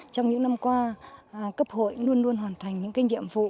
trong những năm qua cấp hội luôn luôn hoàn thành những nhiệm vụ